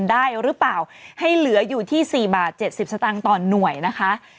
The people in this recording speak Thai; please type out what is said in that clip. ได้หรือเปล่าให้เหลืออยู่ที่๔บาท๗๐สตางค์ต่อหน่วยนะคะ